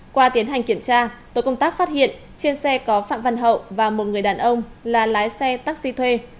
qua tiến hành kiểm tra tổ công tác phát hiện trên xe có phạm văn hậu và một người đàn ông là lái xe taxi thuê